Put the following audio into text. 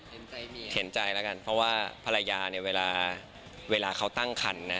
เห็นใจแล้วกันเพราะว่าภรรยาเนี่ยเวลาเวลาเขาตั้งคันนะ